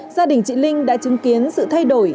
gia đình chị linh đã chứng kiến sự thay đổi